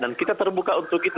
dan kita terbuka untuk itu